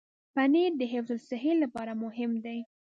پنېر د حفظ الصحې لپاره مهم دی.